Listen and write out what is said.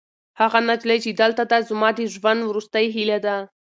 هغه نجلۍ چې دلته ده، زما د ژوند وروستۍ هیله ده.